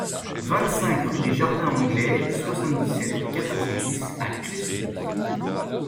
vingt-cinq rue des Jardins Anglais, soixante-dix-sept, quatre cent dix à Claye-Souilly